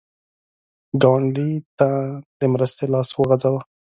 ګاونډي ته د مرستې لاس وغځوه